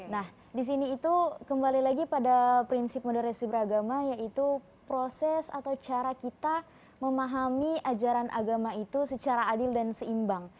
nah di sini itu kembali lagi pada prinsip moderasi beragama yaitu proses atau cara kita memahami ajaran agama itu secara adil dan seimbang